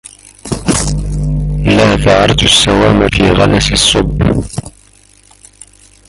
لا ذعرت السوام في غلس الصب